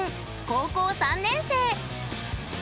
高校３年生。